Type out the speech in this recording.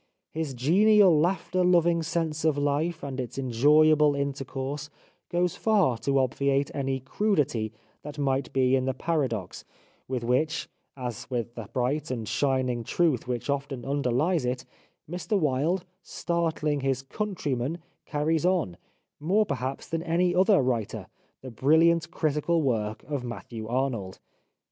His genial laughter loving sense of life and its enjoyable intercourse goes far to obviate any crudity that may be in the paradox, with which, as with the bright and shining truth which often underlies it, Mr Wilde startling his ' countrymen ' carries on, more per haps than any other writer, the brilliant critical work of Matthew Arnold.